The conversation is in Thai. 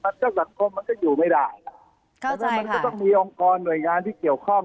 มันก็สังคมมันก็อยู่ไม่ได้มันก็ต้องมีองค์กรหน่วยงานที่เกี่ยวข้อง